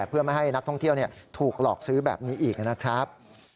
เพื่อไม่ให้นักท่องเที่ยวถูกหลอกซื้อแบบนี้อีกนะครับ